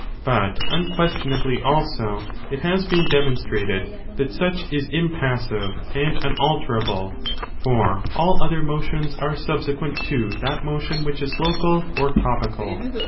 But, unquestionably, also, it has been demonstrated that such is impassive and unalterable, for all other motions are subsequent to that motion which is local or topical.